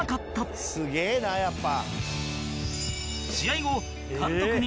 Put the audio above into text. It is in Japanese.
「すげえなやっぱ」